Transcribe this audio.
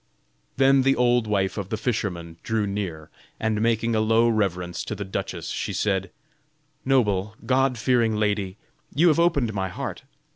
Then the old wife of the fisherman drew near, and making a low reverence to the duchess, she said: "Noble, god fearing lady, you have opened my heart.